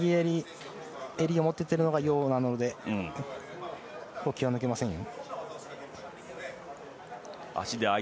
襟を持てているのがヨウなので気は抜けませんよ。